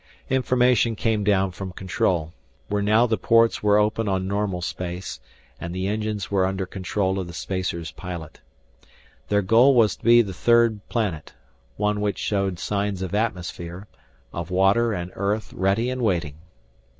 Information came down from control, where now the ports were open on normal space and the engines were under control of the spacer's pilot. Their goal was to be the third planet, one which showed signs of atmosphere, of water and earth ready and waiting.